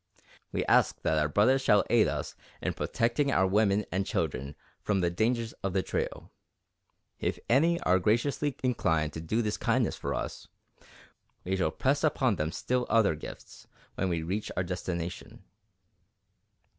We ask that our brothers shall aid us in protecting our women and children from the dangers of the trail. If any are graciously inclined to do this kindness for us, we shall press upon them still other gifts when we reach our destination."